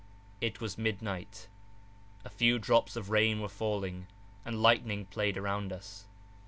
It was midnight; a few drops of rain were falling, and lightning played around us.